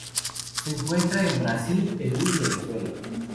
Se encuentra en Brasil, Perú y Venezuela.